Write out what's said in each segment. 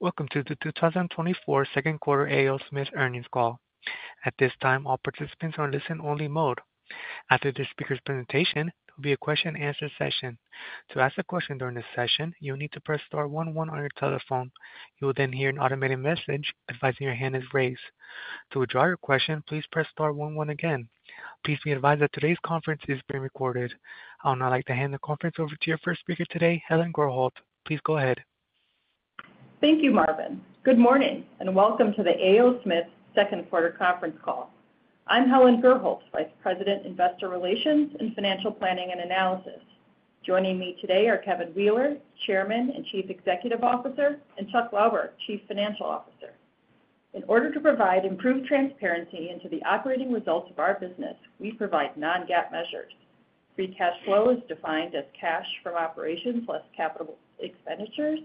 Welcome to the 2024 second quarter A. O.Smith earnings call. At this time, all participants are in listen-only mode. After the speaker's presentation, there'll be a question-and-answer session. To ask a question during this session, you'll need to press star one one on your telephone. You will then hear an automated message advising your hand is raised. To withdraw your question, please press star one one again. Please be advised that today's conference is being recorded. I would now like to hand the conference over to your first speaker today, Helen Gurholt. Please go ahead. Thank you, Marvin. Good morning, and welcome to the A. O Smith Second Quarter Conference Call. I'm Helen Gurholt, Vice President, Investor Relations and Financial Planning and Analysis. Joining me today are Kevin Wheeler, Chairman and Chief Executive Officer, and Chuck Lauber, Chief Financial Officer. In order to provide improved transparency into the operating results of our business, we provide non-GAAP measures. Free cash flow is defined as cash from operations plus capital expenditures,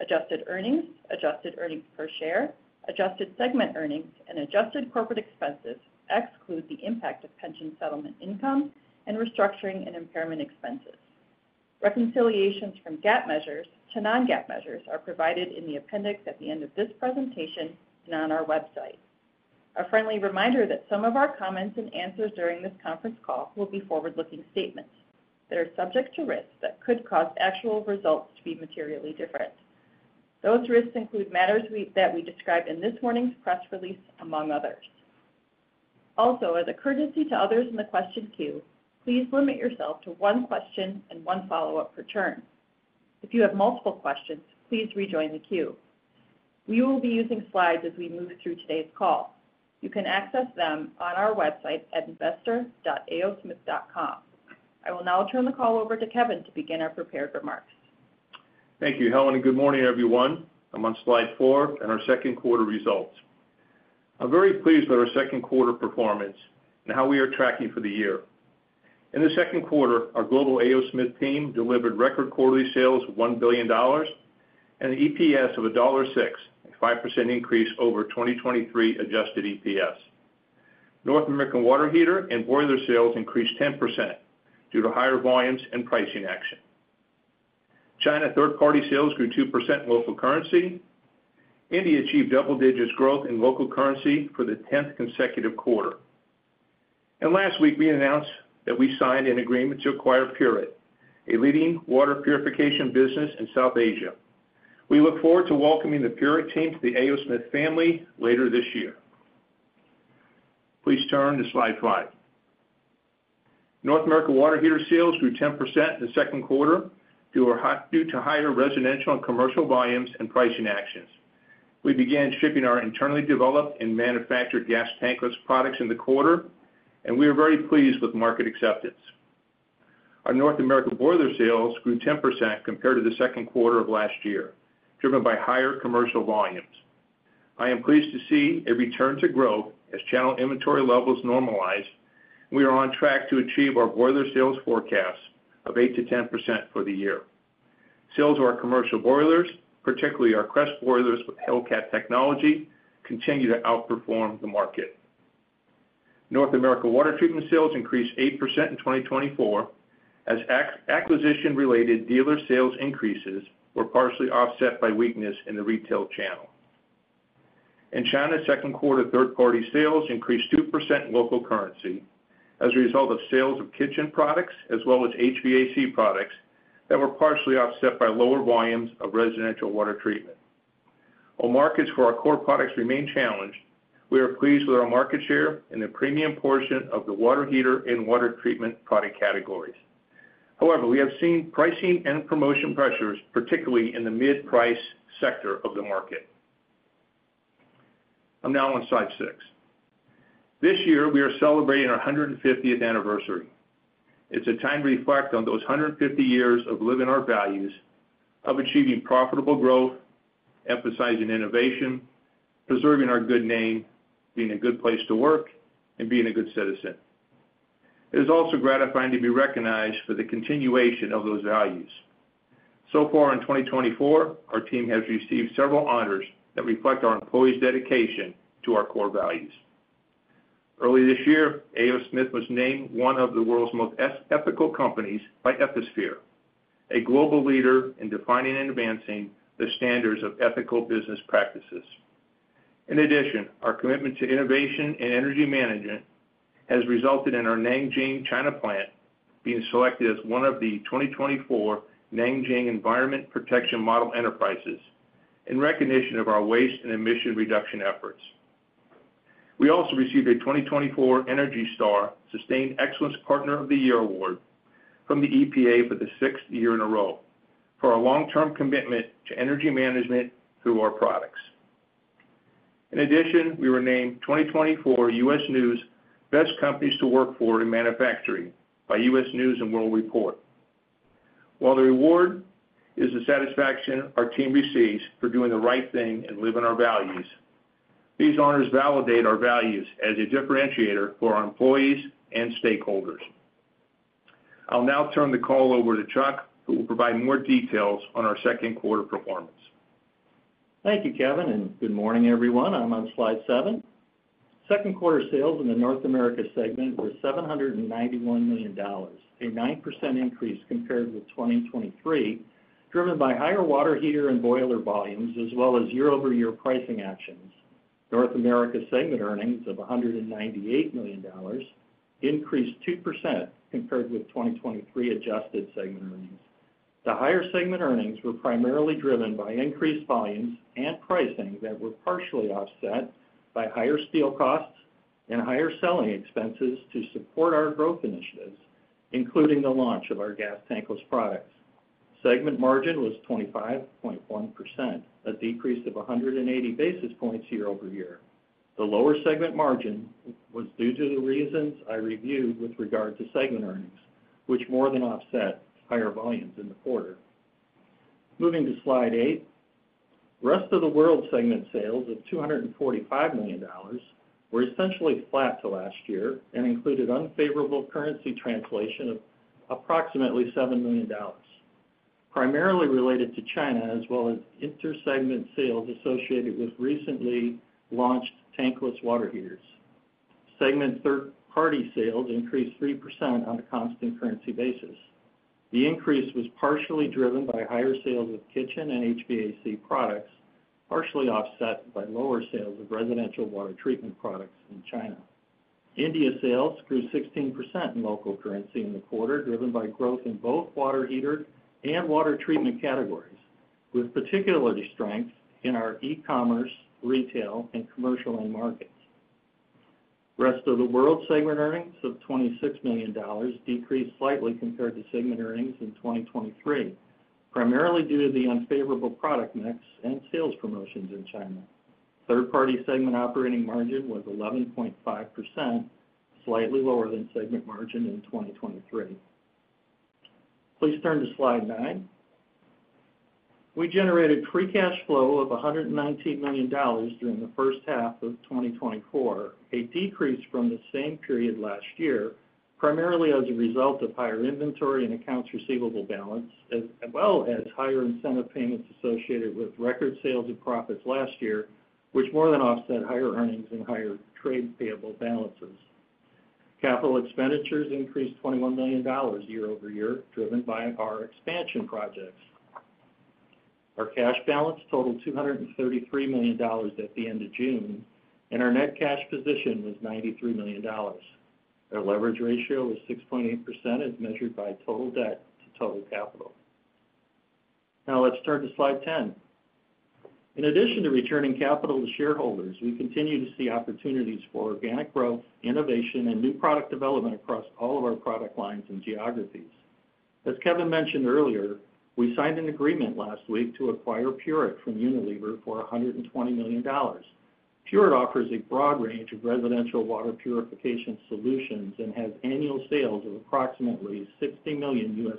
adjusted earnings, adjusted earnings per share, adjusted segment earnings, and adjusted corporate expenses exclude the impact of pension settlement income and restructuring and impairment expenses. Reconciliations from GAAP measures to non-GAAP measures are provided in the appendix at the end of this presentation and on our website. A friendly reminder that some of our comments and answers during this conference call will be forward-looking statements that are subject to risks that could cause actual results to be materially different. Those risks include matters that we described in this morning's press release, among others. Also, as a courtesy to others in the question queue, please limit yourself to one question and one follow-up per turn. If you have multiple questions, please rejoin the queue. We will be using slides as we move through today's call. You can access them on our website at investor.aosmith.com. I will now turn the call over to Kevin to begin our prepared remarks. Thank you, Helen, and good morning, everyone. I'm on slide 4, and our second quarter results. I'm very pleased with our second quarter performance and how we are tracking for the year. In the second quarter, our global A. O Smith team delivered record quarterly sales of $1 billion and an EPS of $1.06, a 5% increase over 2023 adjusted EPS. North American water heater and boiler sales increased 10% due to higher volumes and pricing action. China third-party sales grew 2% in local currency. India achieved double-digit growth in local currency for the tenth consecutive quarter. And last week, we announced that we signed an agreement to acquire Pureit, a leading water purification business in South Asia. We look forward to welcoming the Pureit team to the A. O Smith family later this year. Please turn to slide 5. North America water heater sales grew 10% in the second quarter, due to higher residential and commercial volumes and pricing actions. We began shipping our internally developed and manufactured gas tankless products in the quarter, and we are very pleased with market acceptance. Our North America boiler sales grew 10% compared to the second quarter of last year, driven by higher commercial volumes. I am pleased to see a return to growth as channel inventory levels normalize, and we are on track to achieve our boiler sales forecast of 8%-10% for the year. Sales of our commercial boilers, particularly our Crest boilers with Hellcat technology, continue to outperform the market. North America water treatment sales increased 8% in 2024 as acquisition-related dealer sales increases were partially offset by weakness in the retail channel. In China, second quarter third-party sales increased 2% in local currency as a result of sales of kitchen products as well as HVAC products that were partially offset by lower volumes of residential water treatment. While markets for our core products remain challenged, we are pleased with our market share in the premium portion of the water heater and water treatment product categories. However, we have seen pricing and promotion pressures, particularly in the mid-price sector of the market. I'm now on slide six. This year, we are celebrating our 150th anniversary. It's a time to reflect on those 150 years of living our values, of achieving profitable growth, emphasizing innovation, preserving our good name, being a good place to work, and being a good citizen. It is also gratifying to be recognized for the continuation of those values. So far in 2024, our team has received several honors that reflect our employees' dedication to our core values. Early this year, A. O Smith was named one of the world's most ethical companies by Ethisphere, a global leader in defining and advancing the standards of ethical business practices. In addition, our commitment to innovation and energy management has resulted in our Nanjing, China, plant being selected as one of the 2024 Nanjing Environment Protection Model Enterprises in recognition of our waste and emission reduction efforts. We also received a 2024 ENERGY STAR Sustained Excellence Partner of the Year award from the EPA for the sixth year in a row for our long-term commitment to energy management through our products. In addition, we were named 2024 U.S. News Best Companies to Work For in Manufacturing by U.S. News & World Report. While the reward is the satisfaction our team receives for doing the right thing and living our values. These honors validate our values as a differentiator for our employees and stakeholders. I'll now turn the call over to Chuck, who will provide more details on our second quarter performance. Thank you, Kevin, and good morning, everyone. I'm on slide 7.... Second quarter sales in the North America segment were $791 million, a 9% increase compared with 2023, driven by higher water heater and boiler volumes, as well as year-over-year pricing actions. North America segment earnings of $198 million increased 2% compared with 2023 adjusted segment earnings. The higher segment earnings were primarily driven by increased volumes and pricing that were partially offset by higher steel costs and higher selling expenses to support our growth initiatives, including the launch of our gas tankless products. Segment margin was 25.1%, a decrease of 180 basis points year-over-year. The lower segment margin was due to the reasons I reviewed with regard to segment earnings, which more than offset higher volumes in the quarter. Moving to Slide 8. Rest of the World segment sales of $245 million were essentially flat to last year and included unfavorable currency translation of approximately $7 million, primarily related to China, as well as inter-segment sales associated with recently launched tankless water heaters. Segment third-party sales increased 3% on a constant currency basis. The increase was partially driven by higher sales of kitchen and HVAC products, partially offset by lower sales of residential water treatment products in China. India sales grew 16% in local currency in the quarter, driven by growth in both water heater and water treatment categories, with particular strength in our e-commerce, retail, and commercial end markets. Rest of the World segment earnings of $26 million decreased slightly compared to segment earnings in 2023, primarily due to the unfavorable product mix and sales promotions in China. Third-party segment operating margin was 11.5%, slightly lower than segment margin in 2023. Please turn to Slide 9. We generated free cash flow of $119 million during the first half of 2024, a decrease from the same period last year, primarily as a result of higher inventory and accounts receivable balance, as well as higher incentive payments associated with record sales and profits last year, which more than offset higher earnings and higher trade payable balances. Capital expenditures increased $21 million year-over-year, driven by our expansion projects. Our cash balance totaled $233 million at the end of June, and our net cash position was $93 million. Our leverage ratio was 6.8%, as measured by total debt to total capital. Now, let's turn to Slide 10. In addition to returning capital to shareholders, we continue to see opportunities for organic growth, innovation, and new product development across all of our product lines and geographies. As Kevin mentioned earlier, we signed an agreement last week to acquire Pureit from Unilever for $120 million. Pureit offers a broad range of residential water purification solutions and has annual sales of approximately $60 million,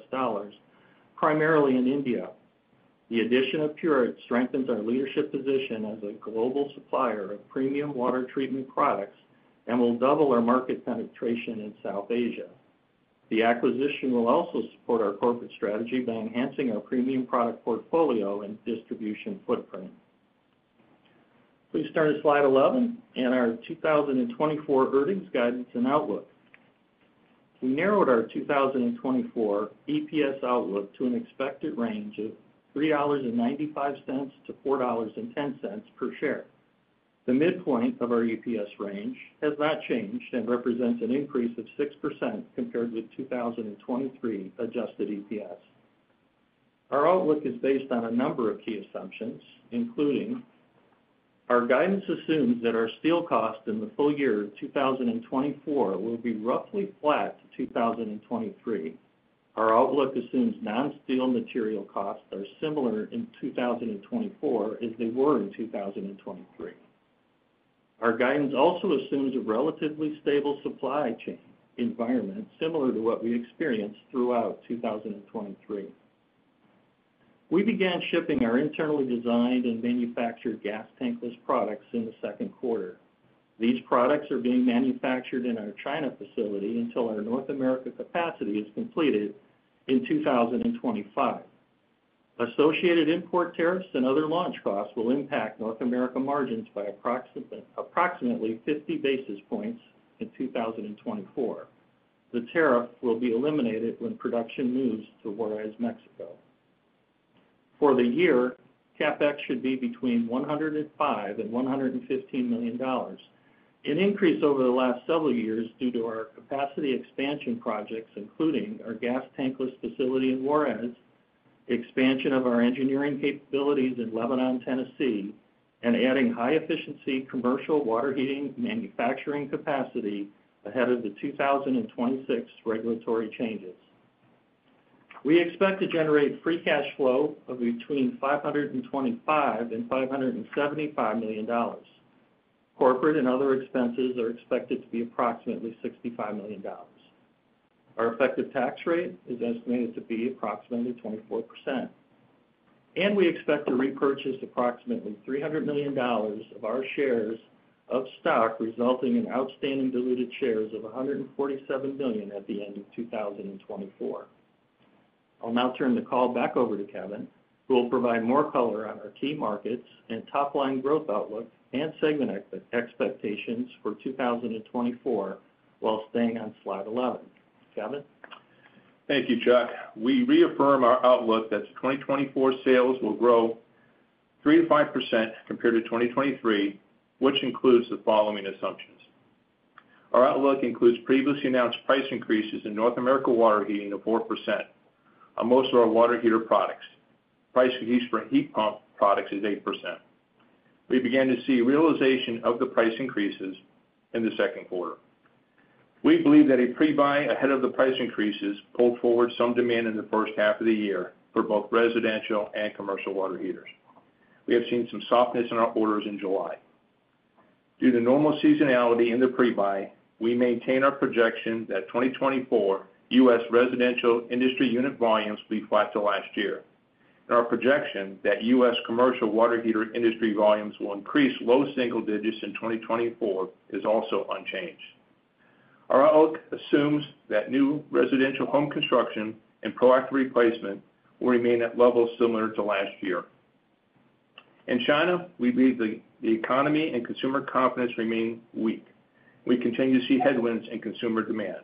primarily in India. The addition of Pureit strengthens our leadership position as a global supplier of premium water treatment products and will double our market penetration in South Asia. The acquisition will also support our corporate strategy by enhancing our premium product portfolio and distribution footprint. Please turn to Slide 11 and our 2024 earnings guidance and outlook. We narrowed our 2024 EPS outlook to an expected range of $3.95-$4.10 per share. The midpoint of our EPS range has not changed and represents an increase of 6% compared with 2023 adjusted EPS. Our outlook is based on a number of key assumptions, including: our guidance assumes that our steel cost in the full year of 2024 will be roughly flat to 2023. Our outlook assumes non-steel material costs are similar in 2024 as they were in 2023. Our guidance also assumes a relatively stable supply chain environment, similar to what we experienced throughout 2023. We began shipping our internally designed and manufactured gas tankless products in the second quarter. These products are being manufactured in our China facility until our North America capacity is completed in 2025. Associated import tariffs and other launch costs will impact North America margins by approximately 50 basis points in 2024. The tariff will be eliminated when production moves to Juárez, Mexico. For the year, CapEx should be between $105 million and $115 million, an increase over the last several years due to our capacity expansion projects, including our gas tankless facility in Juárez, the expansion of our engineering capabilities in Lebanon, Tennessee, and adding high-efficiency commercial water heating manufacturing capacity ahead of the 2026 regulatory changes. We expect to generate free cash flow of between $525 million and $575 million. Corporate and other expenses are expected to be approximately $65 million. Our effective tax rate is estimated to be approximately 24%, and we expect to repurchase approximately $300 million of our shares of stock, resulting in outstanding diluted shares of 147 million at the end of 2024. I'll now turn the call back over to Kevin, who will provide more color on our key markets and top-line growth outlook and segment expectations for 2024, while staying on slide 11. Kevin? Thank you, Chuck. We reaffirm our outlook that 2024 sales will grow 3%-5% compared to 2023, which includes the following assumptions. Our outlook includes previously announced price increases in North America water heating of 4% on most of our water heater products. Price increase for heat pump products is 8%. We began to see realization of the price increases in the second quarter. We believe that a pre-buy ahead of the price increases pulled forward some demand in the first half of the year for both residential and commercial water heaters. We have seen some softness in our orders in July. Due to normal seasonality in the pre-buy, we maintain our projection that 2024 U.S. residential industry unit volumes will be flat to last year. Our projection that U.S. commercial water heater industry volumes will increase low single digits in 2024 is also unchanged. Our outlook assumes that new residential home construction and proactive replacement will remain at levels similar to last year. In China, we believe the economy and consumer confidence remain weak. We continue to see headwinds in consumer demand.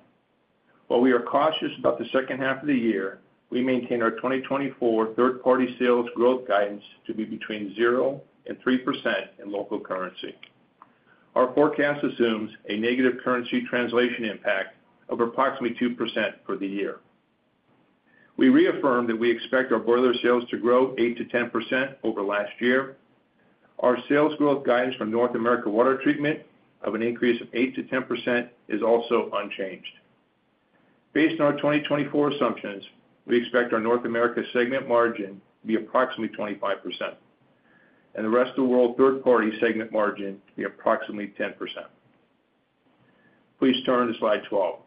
While we are cautious about the second half of the year, we maintain our 2024 third-party sales growth guidance to be between 0% and 3% in local currency. Our forecast assumes a negative currency translation impact of approximately 2% for the year. We reaffirm that we expect our boiler sales to grow 8%-10% over last year. Our sales growth guidance from North America Water Treatment of an increase of 8%-10% is also unchanged. Based on our 2024 assumptions, we expect our North America segment margin to be approximately 25%, and the rest of the world third-party segment margin to be approximately 10%. Please turn to slide 12.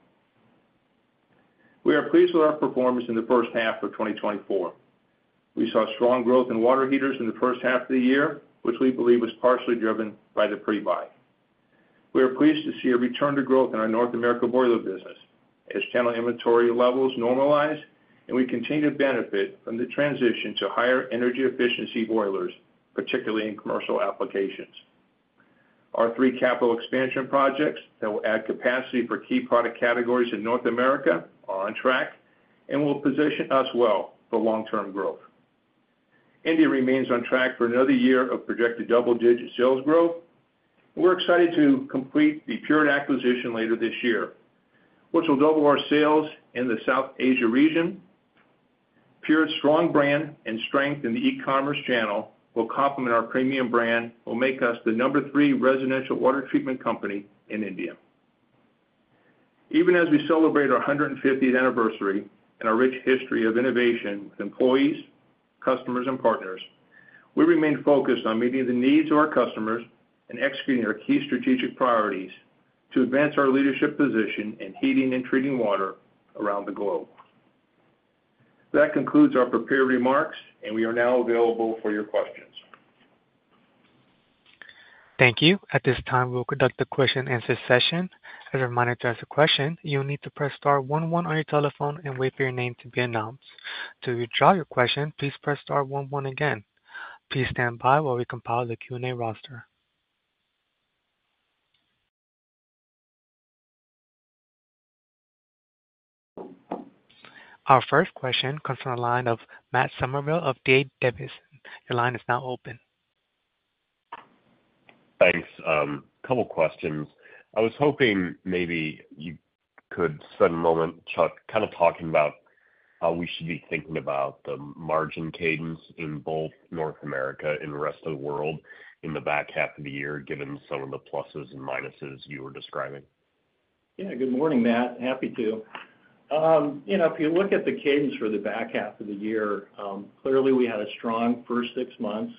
We are pleased with our performance in the first half of 2024. We saw strong growth in water heaters in the first half of the year, which we believe was partially driven by the pre-buy. We are pleased to see a return to growth in our North America boiler business as channel inventory levels normalize, and we continue to benefit from the transition to higher energy efficiency boilers, particularly in commercial applications. Our 3 capital expansion projects that will add capacity for key product categories in North America are on track and will position us well for long-term growth. India remains on track for another year of projected double-digit sales growth. We're excited to complete the Pureit acquisition later this year, which will double our sales in the South Asia region. Pureit's strong brand and strength in the e-commerce channel will complement our premium brand, will make us the number 3 residential water treatment company in India. Even as we celebrate our 150th anniversary and our rich history of innovation with employees, customers, and partners, we remain focused on meeting the needs of our customers and executing our key strategic priorities to advance our leadership position in heating and treating water around the globe. That concludes our prepared remarks, and we are now available for your questions. Thank you. At this time, we'll conduct the question-and-answer session. As a reminder, to ask a question, you'll need to press star one one on your telephone and wait for your name to be announced. To withdraw your question, please press star one one again. Please stand by while we compile the Q&A roster. Our first question comes from the line of Matt Summerville of D.A. Davidson. Your line is now open. Thanks. Couple questions. I was hoping maybe you could spend a moment, Chuck, kind of talking about how we should be thinking about the margin cadence in both North America and the rest of the world in the back half of the year, given some of the pluses and minuses you were describing. Yeah. Good morning, Matt. Happy to. You know, if you look at the cadence for the back half of the year, clearly, we had a strong first six months.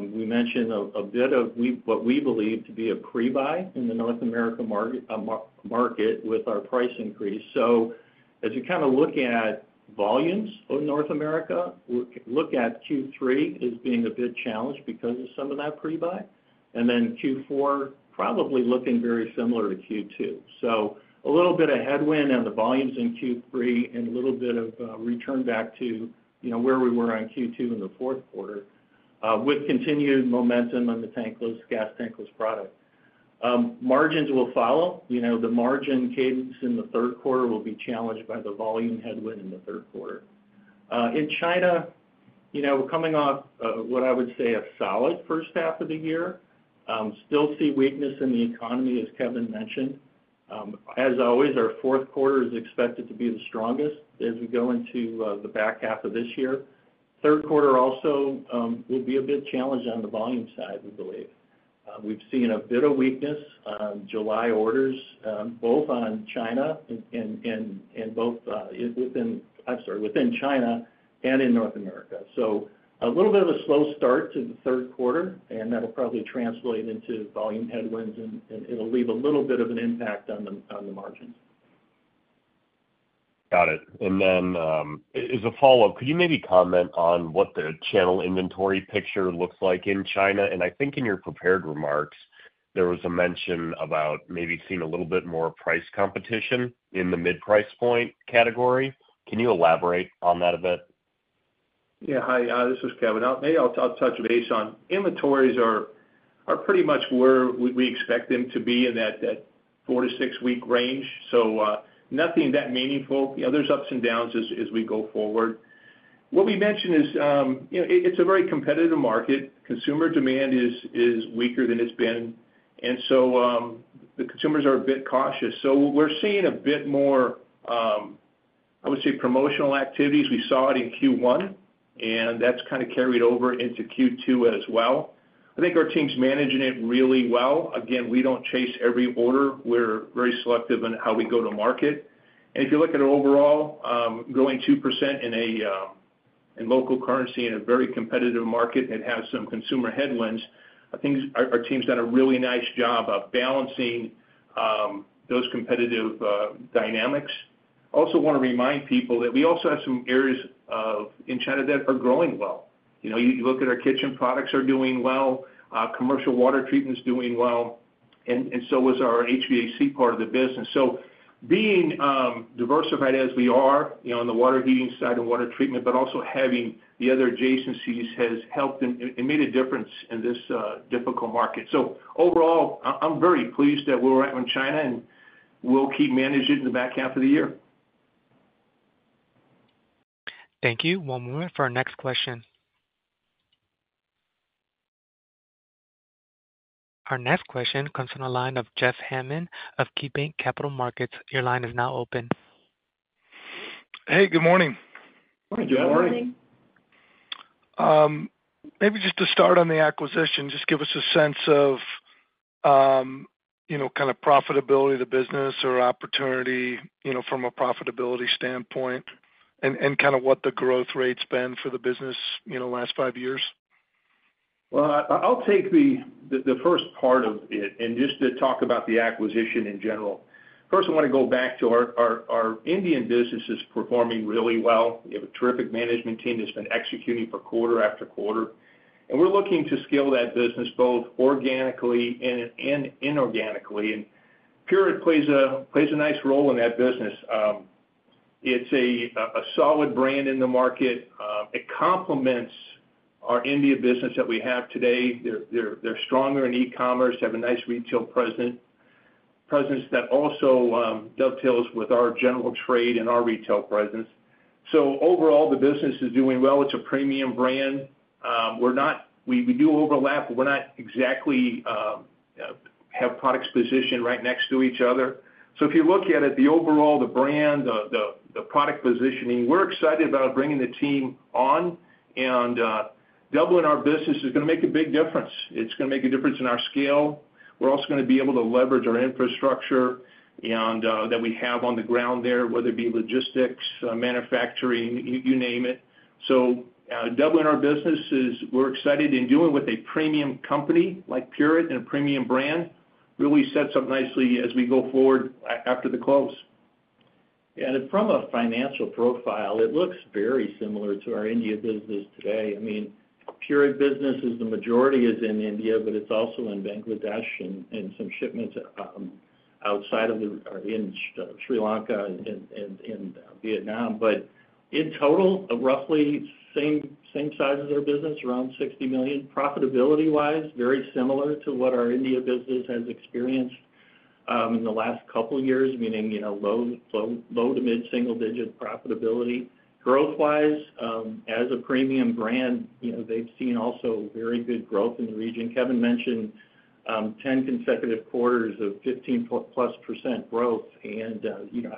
We mentioned what we believe to be a pre-buy in the North America market with our price increase. So as you're kind of looking at volumes of North America, look at Q3 as being a bit challenged because of some of that pre-buy, and then Q4 probably looking very similar to Q2. So a little bit of headwind on the volumes in Q3 and a little bit of return back to, you know, where we were on Q2 in the fourth quarter with continued momentum on the tankless, gas tankless product. Margins will follow. You know, the margin cadence in the third quarter will be challenged by the volume headwind in the third quarter. In China, you know, we're coming off, what I would say, a solid first half of the year. Still see weakness in the economy, as Kevin mentioned. As always, our fourth quarter is expected to be the strongest as we go into, the back half of this year. Third quarter also, will be a bit challenged on the volume side, we believe. We've seen a bit of weakness, July orders, both in China and in North America. So a little bit of a slow start to the third quarter, and that'll probably translate into volume headwinds and it'll leave a little bit of an impact on the margins. Got it. And then, as a follow-up, could you maybe comment on what the channel inventory picture looks like in China? And I think in your prepared remarks, there was a mention about maybe seeing a little bit more price competition in the mid-price point category. Can you elaborate on that a bit? ... Yeah, hi, this is Kevin. I'll maybe touch base on inventories. They are pretty much where we expect them to be in that 4-6 week range. So, nothing that meaningful. You know, there's ups and downs as we go forward. What we mentioned is, you know, it, it's a very competitive market. Consumer demand is weaker than it's been, and so, the consumers are a bit cautious. So we're seeing a bit more, I would say, promotional activities. We saw it in Q1, and that's kind of carried over into Q2 as well. I think our team's managing it really well. Again, we don't chase every order. We're very selective in how we go to market. And if you look at it overall, growing 2% in local currency in a very competitive market that has some consumer headwinds, I think our team's done a really nice job of balancing those competitive dynamics. I also want to remind people that we also have some areas in China that are growing well. You know, you look at our kitchen products; they are doing well, commercial water treatment's doing well, and so is our HVAC part of the business. So being diversified as we are, you know, on the water heating side and water treatment, but also having the other adjacencies has helped and made a difference in this difficult market. So overall, I'm very pleased that we're at in China, and we'll keep managing it in the back half of the year. Thank you. One moment for our next question. Our next question comes from the line of Jeff Hammond of KeyBanc Capital Markets. Your line is now open. Hey, good morning. Good morning. Good morning. Maybe just to start on the acquisition, just give us a sense of, you know, kind of profitability of the business or opportunity, you know, from a profitability standpoint, and, and kind of what the growth rate's been for the business, you know, the last five years? Well, I'll take the first part of it, and just to talk about the acquisition in general. First, I wanna go back to our Indian business is performing really well. We have a terrific management team that's been executing for quarter after quarter, and we're looking to scale that business both organically and inorganically. And Pureit plays a nice role in that business. It's a solid brand in the market. It complements our India business that we have today. They're stronger in e-commerce, have a nice retail presence that also dovetails with our general trade and our retail presence. So overall, the business is doing well. It's a premium brand. We're not-we do overlap, but we're not exactly have products positioned right next to each other. So if you look at it, the overall, the brand, the product positioning, we're excited about bringing the team on, and doubling our business is gonna make a big difference. It's gonna make a difference in our scale. We're also gonna be able to leverage our infrastructure, and that we have on the ground there, whether it be logistics, manufacturing, you name it. So doubling our business is... We're excited in doing with a premium company like Pureit and a premium brand, really sets up nicely as we go forward after the close. From a financial profile, it looks very similar to our India business today. I mean, Pureit business is, the majority is in India, but it's also in Bangladesh and some shipments outside of the, or in Sri Lanka and Vietnam. But in total, roughly same size as our business, around $60 million. Profitability-wise, very similar to what our India business has experienced in the last couple of years, meaning, you know, low to mid-single-digit profitability. Growth-wise, as a premium brand, you know, they've seen also very good growth in the region. Kevin mentioned 10 consecutive quarters of 15%+ growth, and you know,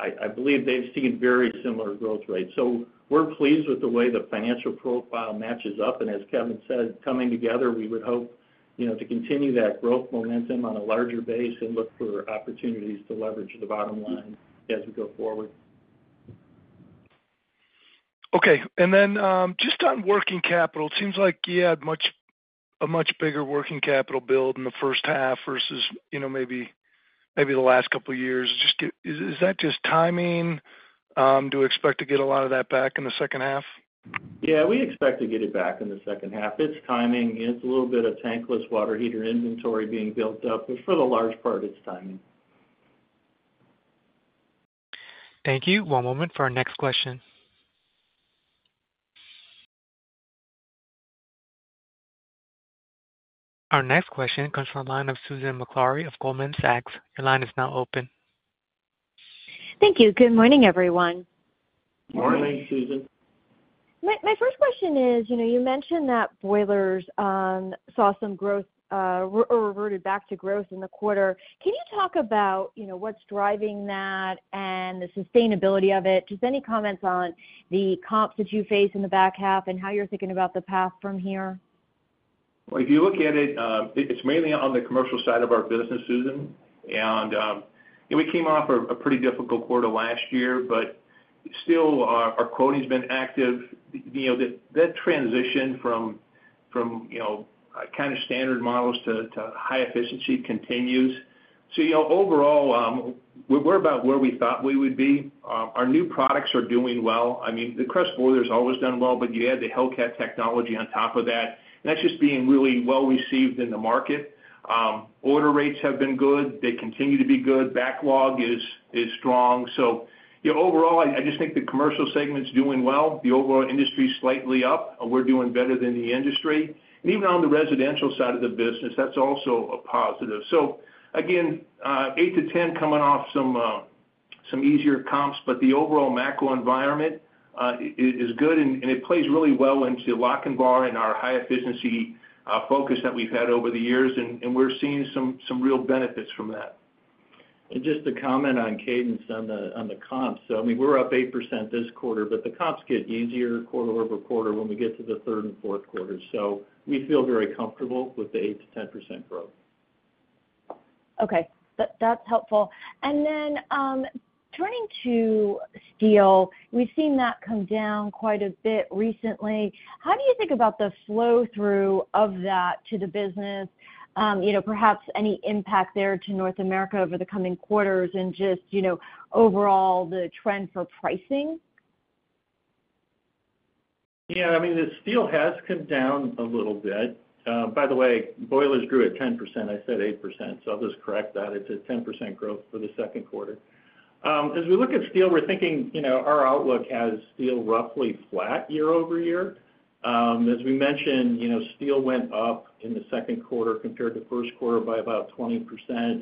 I believe they've seen very similar growth rates. So we're pleased with the way the financial profile matches up, and as Kevin said, coming together, we would hope, you know, to continue that growth momentum on a larger base and look for opportunities to leverage the bottom line as we go forward. Okay. And then, just on working capital, it seems like you had much, a much bigger working capital build in the first half versus, you know, maybe, maybe the last couple of years. Just to—is, is that just timing? Do you expect to get a lot of that back in the second half? Yeah, we expect to get it back in the second half. It's timing. It's a little bit of tankless water heater inventory being built up, but for the large part, it's timing. Thank you. One moment for our next question. Our next question comes from the line of Susan Maklari of Goldman Sachs. Your line is now open. Thank you. Good morning, everyone. Morning, Susan. My first question is, you know, you mentioned that boilers saw some growth or reverted back to growth in the quarter. Can you talk about, you know, what's driving that and the sustainability of it? Just any comments on the comps that you face in the back half and how you're thinking about the path from here? Well, if you look at it, it's mainly on the commercial side of our business, Susan. And, and we came off a pretty difficult quarter last year, but still, our quoting's been active. You know, that transition from, you know, kind of standard models to high efficiency continues... So, you know, overall, we're about where we thought we would be. Our new products are doing well. I mean, the Crest boiler has always done well, but you add the Hellcat technology on top of that, that's just being really well received in the market. Order rates have been good. They continue to be good. Backlog is strong. So, yeah, overall, I just think the commercial segment's doing well. The overall industry is slightly up, and we're doing better than the industry. And even on the residential side of the business, that's also a positive. So again, 8-10 coming off some easier comps, but the overall macro environment is good, and it plays really well into Lochinvar and our high efficiency focus that we've had over the years, and we're seeing some real benefits from that. Just to comment on cadence on the comps. So, I mean, we're up 8% this quarter, but the comps get easier quarter-over-quarter when we get to the third and fourth quarters. So we feel very comfortable with the 8%-10% growth. Okay. That's helpful. And then, turning to steel, we've seen that come down quite a bit recently. How do you think about the flow-through of that to the business? You know, perhaps any impact there to North America over the coming quarters and just, you know, overall, the trend for pricing? Yeah, I mean, the steel has come down a little bit. By the way, boilers grew at 10%. I said 8%, so I'll just correct that. It's a 10% growth for the second quarter. As we look at steel, we're thinking, you know, our outlook has steel roughly flat year-over-year. As we mentioned, you know, steel went up in the second quarter compared to first quarter by about 20%.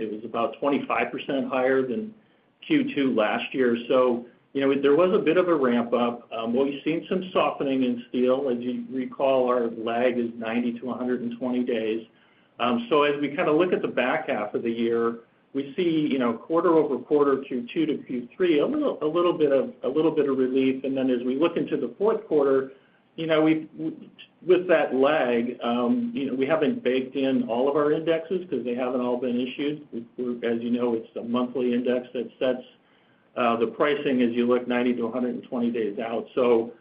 It was about 25% higher than Q2 last year. So you know, there was a bit of a ramp-up. Well, we've seen some softening in steel. As you recall, our lag is 90-120 days. So as we kind of look at the back half of the year, we see, you know, quarter-over-quarter, Q2 to Q3, a little bit of relief. And then as we look into the fourth quarter, you know, we've with that lag, you know, we haven't baked in all of our indexes because they haven't all been issued. As you know, it's a monthly index that sets the pricing as you look 90-120 days out. So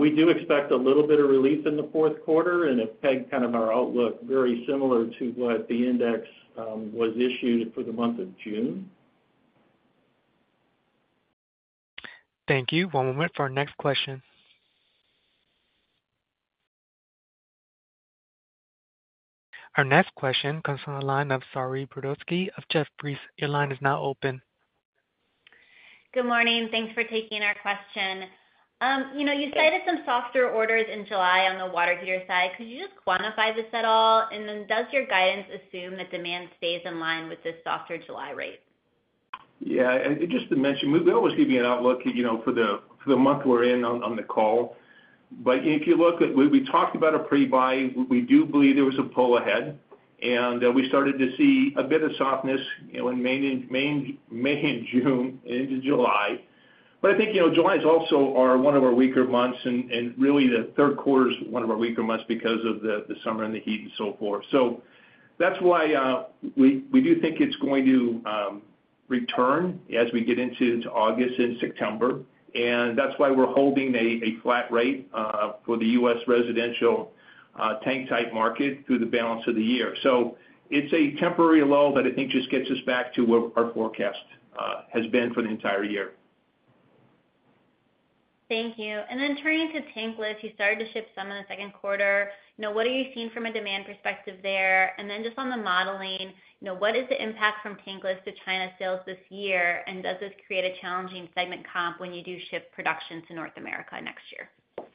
we do expect a little bit of relief in the fourth quarter, and it pegged kind of our outlook, very similar to what the index was issued for the month of June. Thank you. One moment for our next question. Our next question comes from the line of Sari Brody of Jefferies. Your line is now open. Good morning. Thanks for taking our question. You know, you cited some softer orders in July on the water heater side. Could you just quantify this at all? And then does your guidance assume that demand stays in line with this softer July rate? Yeah, and just to mention, we always give you an outlook, you know, for the month we're in on the call. But if you look at, we talked about a pre-buy. We do believe there was a pull ahead, and we started to see a bit of softness, you know, in May and June into July. But I think, you know, July is also our one of our weaker months, and really, the third quarter is one of our weaker months because of the summer and the heat and so forth. So that's why we do think it's going to return as we get into August and September, and that's why we're holding a flat rate for the U.S. residential tank-type market through the balance of the year. So it's a temporary lull, but I think just gets us back to where our forecast has been for the entire year. Thank you. And then turning to tankless, you started to ship some in the second quarter. Now, what are you seeing from a demand perspective there? And then just on the modeling, you know, what is the impact from tankless to China sales this year, and does this create a challenging segment comp when you do ship production to North America next year?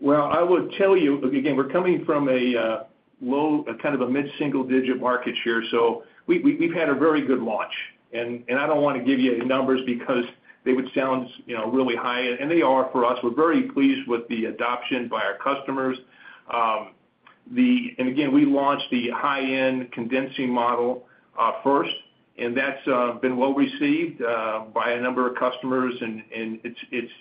Well, I would tell you, again, we're coming from a low, a kind of a mid-single-digit market share, so we've had a very good launch. And I don't want to give you any numbers because they would sound, you know, really high, and they are for us. We're very pleased with the adoption by our customers. And again, we launched the high-end condensing model first, and that's been well received by a number of customers, and it's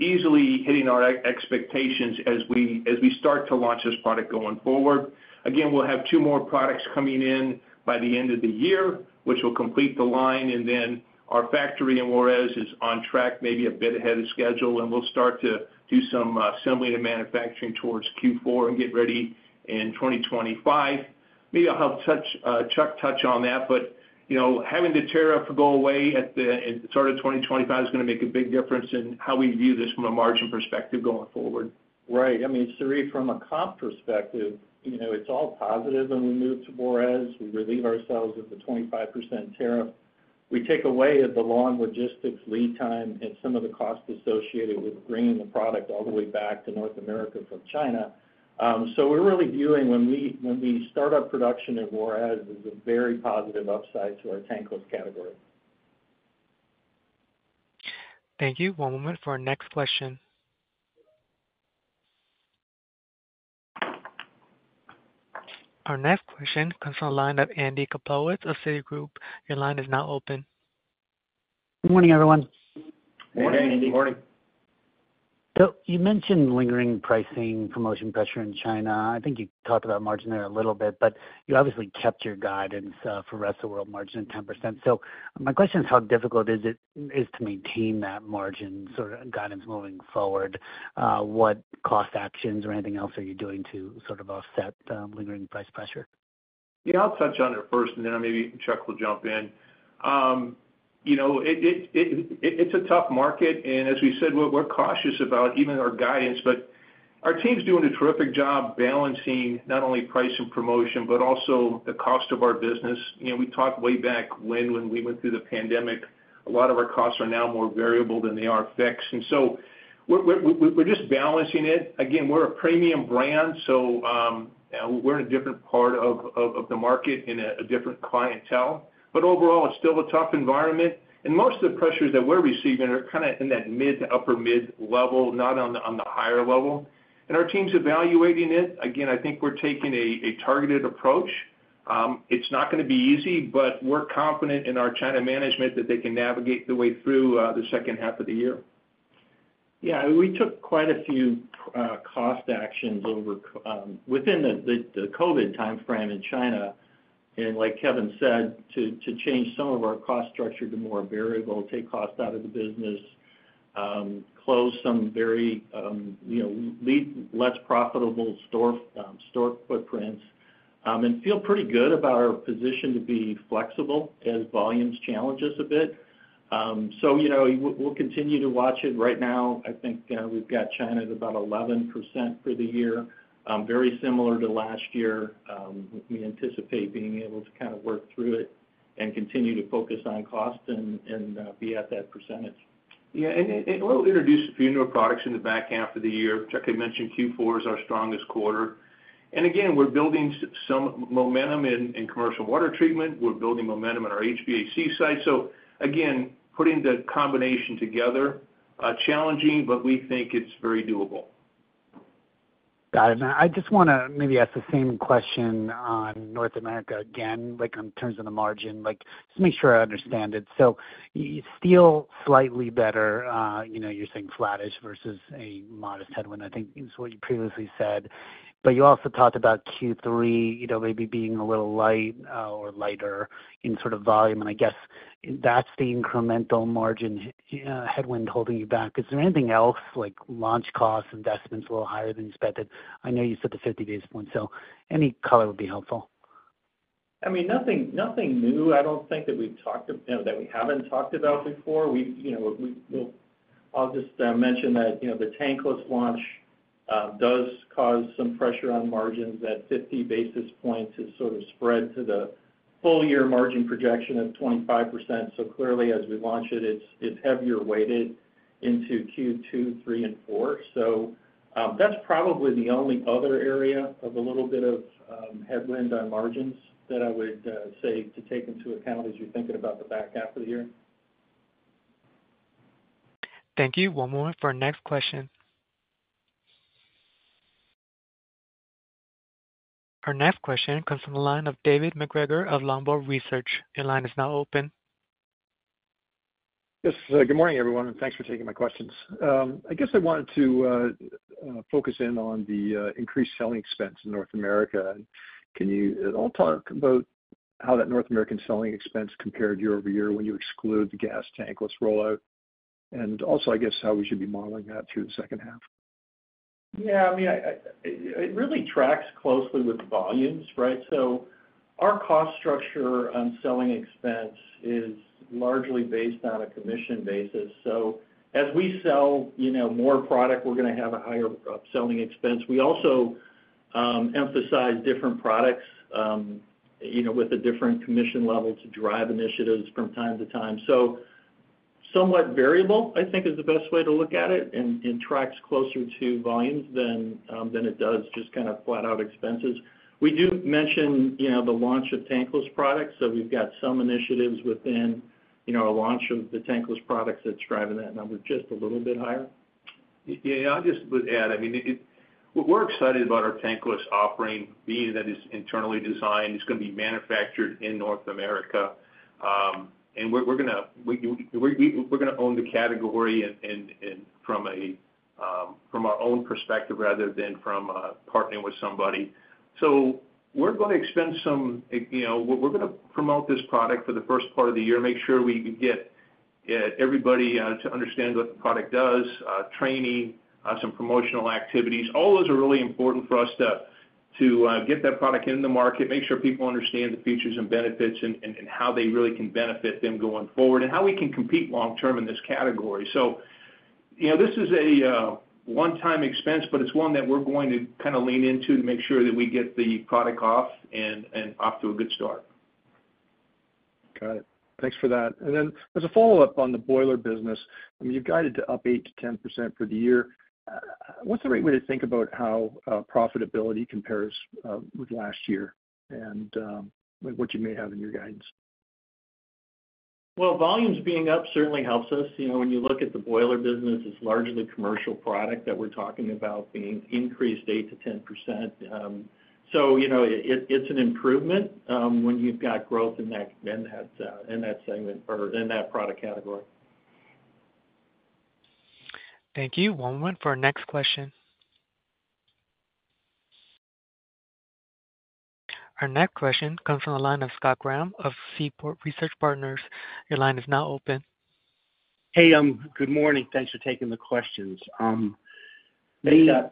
easily hitting our expectations as we start to launch this product going forward. Again, we'll have two more products coming in by the end of the year, which will complete the line, and then our factory in Juárez is on track, maybe a bit ahead of schedule, and we'll start to do some assembly and manufacturing towards Q4 and get ready in 2025. Maybe I'll have Chuck touch on that, but, you know, having the tariff go away at the, in sort of 2025 is gonna make a big difference in how we view this from a margin perspective going forward. Right. I mean, Sari, from a comp perspective, you know, it's all positive when we move to Juárez. We relieve ourselves of the 25% tariff. We take away the long logistics lead time and some of the costs associated with bringing the product all the way back to North America from China. So we're really viewing when we, when we start our production in Juárez, is a very positive upside to our tankless category. Thank you. One moment for our next question. Our next question comes from the line of Andy Kaplowitz of Citigroup. Your line is now open. Good morning, everyone. Morning, Andy. Morning. So you mentioned lingering pricing, promotion pressure in China. I think you talked about margin there a little bit, but you obviously kept your guidance for rest of world margin at 10%. So my question is, how difficult is it to maintain that margin sort of guidance moving forward? What cost actions or anything else are you doing to sort of offset lingering price pressure?... Yeah, I'll touch on it first, and then maybe Chuck will jump in. You know, it's a tough market, and as we said, we're cautious about even our guidance. But our team's doing a terrific job balancing not only price and promotion, but also the cost of our business. You know, we talked way back when we went through the pandemic, a lot of our costs are now more variable than they are fixed, and so we're just balancing it. Again, we're a premium brand, so we're in a different part of the market, in a different clientele. But overall, it's still a tough environment, and most of the pressures that we're receiving are kind of in that mid to upper mid level, not on the higher level. And our team's evaluating it. Again, I think we're taking a targeted approach. It's not gonna be easy, but we're confident in our China management that they can navigate the way through the second half of the year. Yeah, we took quite a few cost actions over within the COVID timeframe in China. And like Kevin said, to change some of our cost structure to more variable, take cost out of the business, close some very you know less profitable store store footprints, and feel pretty good about our position to be flexible as volumes challenge us a bit. So you know, we'll continue to watch it. Right now, I think we've got China at about 11% for the year, very similar to last year. We anticipate being able to kind of work through it and continue to focus on cost and be at that percentage. Yeah, and we'll introduce a few new products in the back half of the year. Chuck had mentioned Q4 is our strongest quarter. And again, we're building some momentum in commercial water treatment. We're building momentum in our HVAC side. So again, putting the combination together, challenging, but we think it's very doable. Got it. And I just wanna maybe ask the same question on North America again, like on terms of the margin, like, just to make sure I understand it. So you feel slightly better, you know, you're saying flattish versus a modest headwind, I think is what you previously said. But you also talked about Q3, you know, maybe being a little light, or lighter in sort of volume, and I guess that's the incremental margin, headwind holding you back. Is there anything else like launch costs, investments a little higher than expected? I know you said the 50 basis points, so any color would be helpful. I mean, nothing new I don't think that we've talked, you know, that we haven't talked about before. You know, we'll-- I'll just mention that, you know, the tankless launch does cause some pressure on margins. That 50 basis points is sort of spread to the full year margin projection of 25%. So clearly, as we launch it, it's heavier weighted into Q2, three and four. So, that's probably the only other area of a little bit of headwind on margins that I would say to take into account as you're thinking about the back half of the year. Thank you. One moment for our next question. Our next question comes from the line of David MacGregor of Longbow Research. Your line is now open. Yes, good morning, everyone, and thanks for taking my questions. I guess I wanted to focus in on the increased selling expense in North America. Can you at all talk about how that North American selling expense compared year over year when you exclude the gas tankless rollout? And also, I guess, how we should be modeling that through the second half. Yeah, I mean, it really tracks closely with the volumes, right? So our cost structure on selling expense is largely based on a commission basis. So as we sell, you know, more product, we're gonna have a higher selling expense. We also emphasize different products, you know, with a different commission level to drive initiatives from time to time. So somewhat variable, I think, is the best way to look at it, and tracks closer to volumes than it does just kind of flat out expenses. We do mention, you know, the launch of tankless products, so we've got some initiatives within, you know, our launch of the tankless products that's driving that number just a little bit higher. Yeah, I just would add, I mean, we're excited about our tankless offering, being that it's internally designed. It's gonna be manufactured in North America. And we're gonna own the category and from our own perspective rather than from partnering with somebody. So we're gonna expend some, you know, we're gonna promote this product for the first part of the year, make sure we can get everybody to understand what the product does, training, some promotional activities. All those are really important for us to get that product into the market, make sure people understand the features and benefits and how they really can benefit them going forward, and how we can compete long term in this category. You know, this is a one-time expense, but it's one that we're going to kind of lean into to make sure that we get the product off and off to a good start. Got it. Thanks for that. And then as a follow-up on the boiler business, I mean, you've guided to up 8%-10% for the year. What's the right way to think about how profitability compares with last year and what you may have in your guidance? Well, volumes being up certainly helps us. You know, when you look at the boiler business, it's largely commercial product that we're talking about being increased 8%-10%. So you know, it's an improvement when you've got growth in that segment or in that product category. Thank you. One moment for our next question. Our next question comes from the line of Scott Graham of Seaport Research Partners. Your line is now open. Hey, good morning. Thanks for taking the questions. Hey, uh-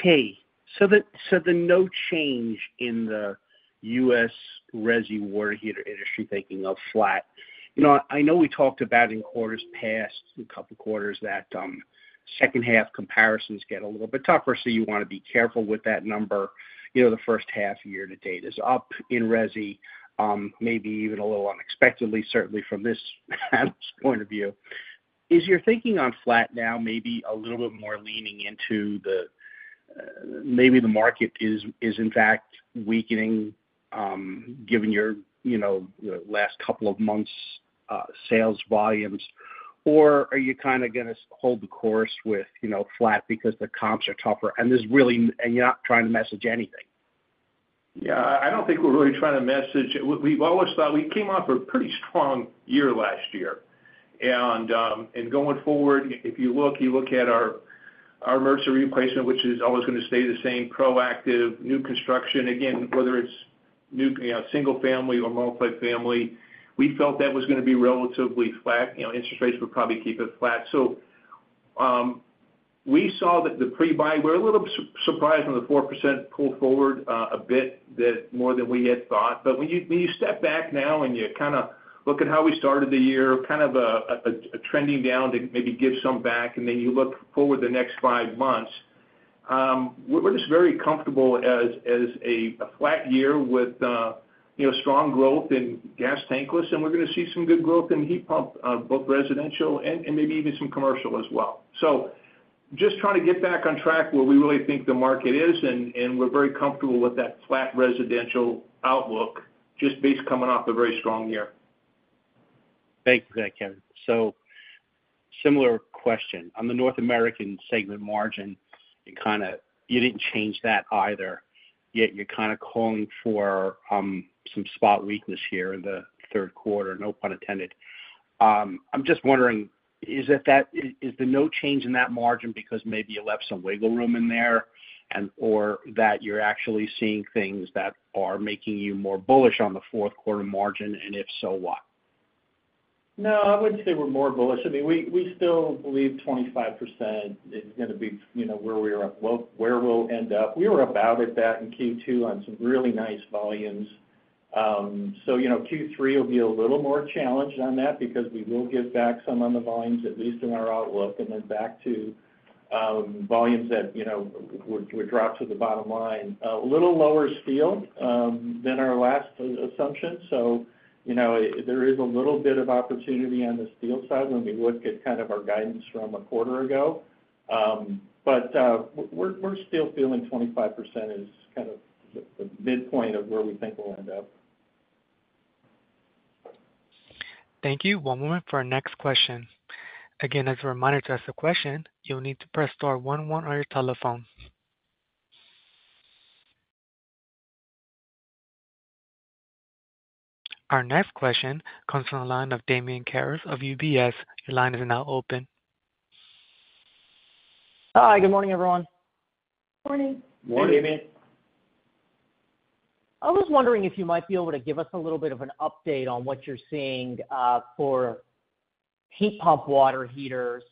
Hey, so the, so the no change in the U.S. resi water heater industry, thinking of flat. You know, I know we talked about in quarters past, a couple quarters, that second half comparisons get a little bit tougher, so you wanna be careful with that number. You know, the first half year to date is up in resi, maybe even a little unexpectedly, certainly from this analyst's point of view. Is your thinking on flat now maybe a little bit more leaning into the, maybe the market is, is in fact weakening, given your, you know, the last couple of months', sales volumes? Or are you kinda gonna hold the course with, you know, flat because the comps are tougher, and there's really—and you're not trying to message anything? Yeah, I don't think we're really trying to message. We've always thought we came off a pretty strong year last year. And going forward, if you look at our emergency replacement, which is always gonna stay the same, proactive, new construction, again, whether it's new, you know, single family or multi-family, we felt that was gonna be relatively flat. You know, interest rates would probably keep it flat. So, we saw that the pre-buy, we're a little surprised on the 4% pull forward, a bit, that more than we had thought. But when you, when you step back now, and you kinda look at how we started the year, kind of trending down to maybe give some back, and then you look forward the next five months, we're just very comfortable as a flat year with, you know, strong growth in gas tankless, and we're gonna see some good growth in heat pump, both residential and maybe even some commercial as well. So just trying to get back on track where we really think the market is, and we're very comfortable with that flat residential outlook, just based coming off a very strong year. Thanks for that, Kevin. So similar question. On the North American segment margin, you kinda, you didn't change that either, yet you're kinda calling for, some spot weakness here in the third quarter, no pun intended. I'm just wondering, is it that, is the no change in that margin because maybe you left some wiggle room in there, and or that you're actually seeing things that are making you more bullish on the fourth quarter margin? And if so, what? No, I wouldn't say we're more bullish. I mean, we still believe 25% is gonna be, you know, where we're at, well, where we'll end up. We were about at that in Q2 on some really nice volumes. So, you know, Q3 will be a little more challenged on that because we will give back some on the volumes, at least in our outlook, and then back to volumes that, you know, would drop to the bottom line. A little lower steel than our last assumption. So, you know, there is a little bit of opportunity on the steel side when we look at kind of our guidance from a quarter ago. But we're still feeling 25% is kind of the midpoint of where we think we'll end up. Thank you. One moment for our next question. Again, as a reminder, to ask a question, you'll need to press star one one on your telephone. Our next question comes from the line of Damian Karas of UBS. Your line is now open. Hi, good morning, everyone. Morning. Morning. Hey, Damien. I was wondering if you might be able to give us a little bit of an update on what you're seeing for heat pump water heaters.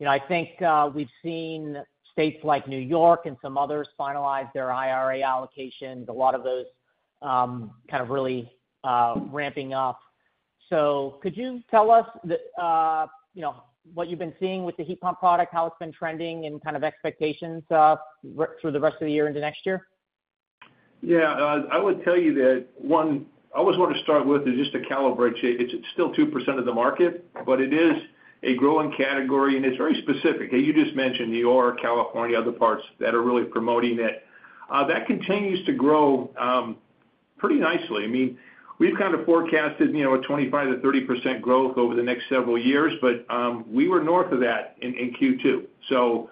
You know, I think we've seen states like New York and some others finalize their IRA allocations, a lot of those kind of really ramping up. So could you tell us the, you know, what you've been seeing with the heat pump product, how it's been trending and kind of expectations through the rest of the year into next year? Yeah, I would tell you that, one, I always want to start with is just to calibrate, it's still 2% of the market, but it is a growing category, and it's very specific. And you just mentioned New York, California, other parts that are really promoting it. That continues to grow pretty nicely. I mean, we've kind of forecasted, you know, a 25%-30% growth over the next several years, but we were north of that in Q2. So,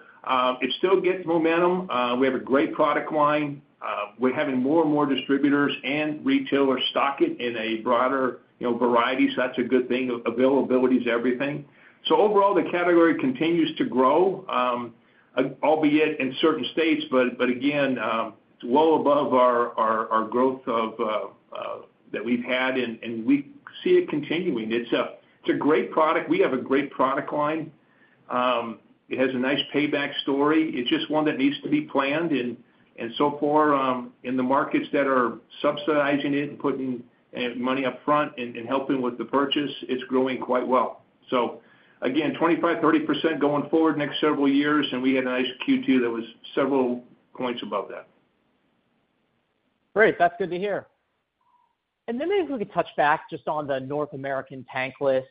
it still gets momentum. We have a great product line. We're having more and more distributors and retailers stock it in a broader, you know, variety, so that's a good thing. Availability is everything. So overall, the category continues to grow, albeit in certain states, but again, well above our growth that we've had, and we see it continuing. It's a great product. We have a great product line. It has a nice payback story. It's just one that needs to be planned, and so far, in the markets that are subsidizing it and putting money up front and helping with the purchase, it's growing quite well. So again, 25%-30% going forward next several years, and we had a nice Q2 that was several points above that. Great, that's good to hear. Then maybe if we could touch back just on the North American tankless.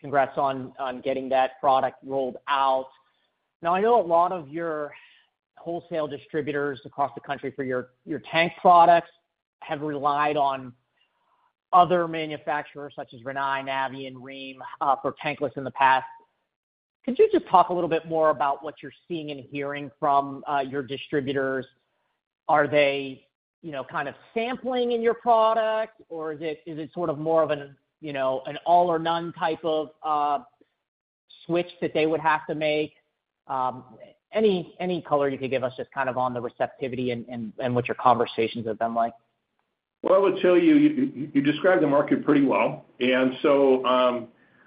Congrats on getting that product rolled out. Now, I know a lot of your wholesale distributors across the country for your tank products have relied on other manufacturers such as Rinnai, Navien, and Rheem for tankless in the past. Could you just talk a little bit more about what you're seeing and hearing from your distributors? Are they, you know, kind of sampling in your product, or is it sort of more of an, you know, an all or none type of switch that they would have to make? Any color you could give us just kind of on the receptivity and what your conversations have been like? Well, I would tell you, you described the market pretty well. And so,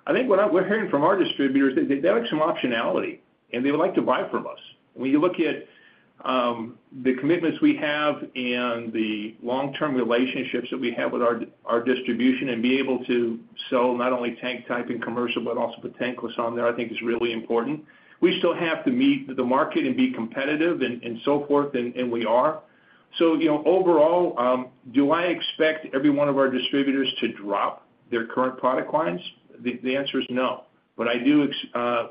I think what we're hearing from our distributors, they'd like some optionality, and they would like to buy from us. When you look at the commitments we have and the long-term relationships that we have with our distribution, and be able to sell not only tank type and commercial, but also the tankless on there, I think is really important. We still have to meet the market and be competitive and so forth, and we are. So, you know, overall, do I expect every one of our distributors to drop their current product lines? The answer is no. But I do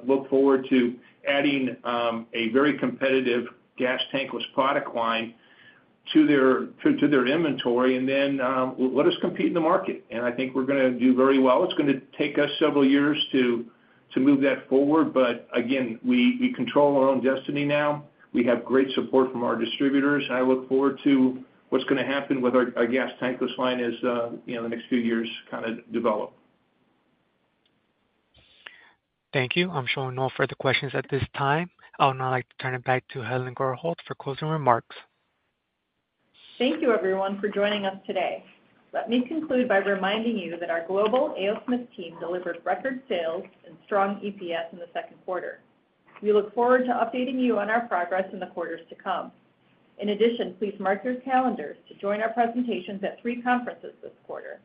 look forward to adding a very competitive gas tankless product line to their inventory, and then let us compete in the market, and I think we're gonna do very well. It's gonna take us several years to move that forward, but again, we control our own destiny now. We have great support from our distributors, and I look forward to what's gonna happen with our gas tankless line as you know, the next few years kinda develop. Thank you. I'm showing no further questions at this time. I would now like to turn it back to Helen Gurholt for closing remarks. Thank you everyone for joining us today. Let me conclude by reminding you that our global A. O. Smith team delivered record sales and strong EPS in the second quarter. We look forward to updating you on our progress in the quarters to come. In addition, please mark your calendars to join our presentations at three conferences this quarter: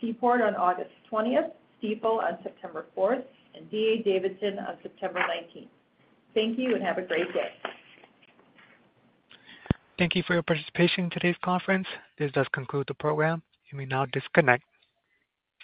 Seaport on August twentieth, Stifel on September fourth, and D.A. Davidson on September nineteenth. Thank you, and have a great day. Thank you for your participation in today's conference. This does conclude the program. You may now disconnect.